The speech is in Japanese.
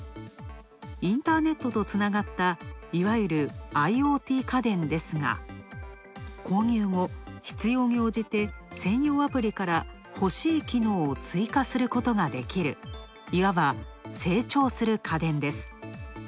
インターネットとつながったいわゆるＩｏＴ家電ですが、購入後、必要に応じて専用アプリから欲しい機能を追加することができる、いわば、成長する家電です。